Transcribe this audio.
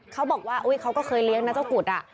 เขาบอกว่าเขาก็เคยเลี้ยงนะเจ้ากุฎอะ